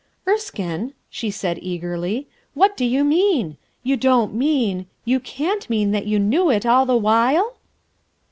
"Erskine,"' she said eagerly, "what do you mean? You don't mean, you cant mean that you knew it all the while!"